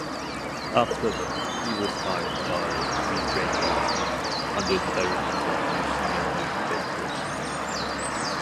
Afterward, he was hired by “Week Radio TV”, under the direction of Luciano Pedrocchi.